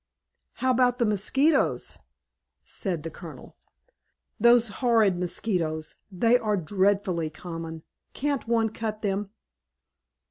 "How about the Mosquitoes?" said the Colonel. "Those horrid Mosquitoes, they are dreadfully common! Can't one cut them?"